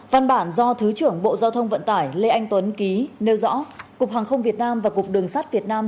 văn bản do thứ trưởng bộ giao thông vận tải lê anh tuấn ký nêu rõ cục hàng không việt nam và cục đường sắt việt nam